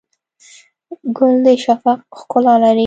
ګل د شفق ښکلا لري.